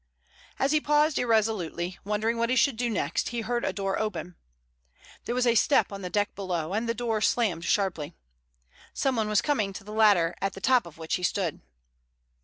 As he paused irresolutely, wondering what he should do next, he heard a door open. There was a step on the deck below, and the door slammed sharply. Someone was coming to the ladder at the top of which he stood.